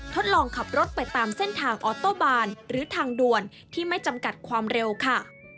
ทดลองขับรถไปตามเส้นทางออโต้บานหรือทางด่วนที่ไม่จำกัดความเร็วค่ะ